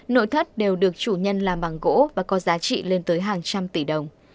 nội thất đều được chủ nhân làm bằng gỗ và có giá trị lên tới hàng trăm tỷ đồng